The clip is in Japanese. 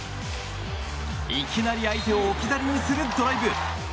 いきなり相手を置き去りにするドライブ。